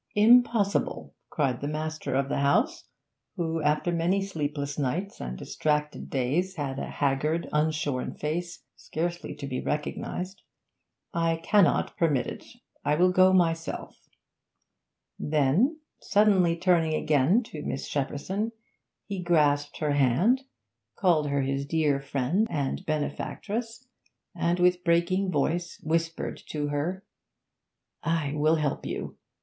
'Impossible!' cried the master of the house, who, after many sleepless nights and distracted days, had a haggard, unshorn face, scarcely to be recognised. 'I cannot permit it! I will go myself' Then, suddenly turning again to Miss Shepperson, he grasped her hand, called her his dear friend and benefactress, and with breaking voice whispered to her 'I will help you.